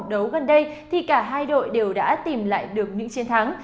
trận đấu gần đây thì cả hai đội đều đã tìm lại được những chiến thắng